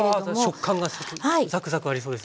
食感がザクザクありそうですね。